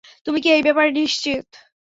তুমি কি এই ব্যাপারে নিশ্চিত?